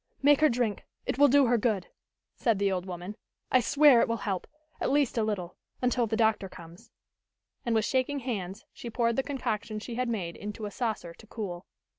"Make her drink it will do her good," said the old woman. "I swear it will help, at least a little until the doctor comes." And with shaking hands, she poured the concoction she had made into a saucer to cool.